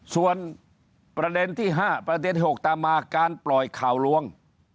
ส่วนประเด็นที่๕ประเด็น๖ตามมาการปล่อยข่าวลวง